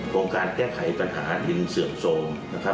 โครงการแก้ไขปัญหาดินเสื่อมโทรมนะครับ